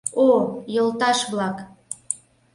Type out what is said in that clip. — О! йолташ-влак!